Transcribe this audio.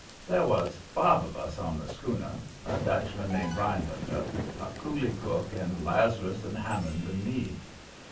There was five of us on the schooner, a Dutchman named Rhinelander, a Coolie cook and Lazarus and Hammond and me.